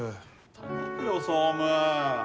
頼むよ総務。